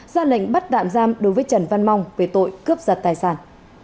ra lệnh bắt tạm giam đối với trần văn mong về tội cướp giật tài sản